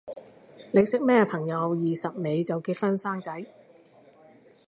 你識咩朋友廿尾就結婚生仔？